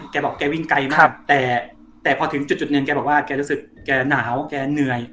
แกบอกแกวิ่งไกลมากแต่พอถึงจุดหนึ่งแกบอกว่าแกรู้สึกแกหนาวแกเหนื่อย